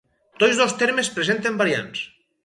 Tots dos termes presenten variants.